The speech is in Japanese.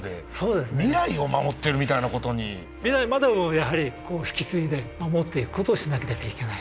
未来までもやはり引き継いで守っていくことをしなければいけない。